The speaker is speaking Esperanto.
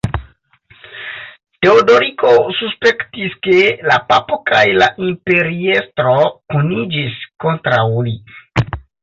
Teodoriko suspektis ke la papo kaj la imperiestro kuniĝis kontraŭ li.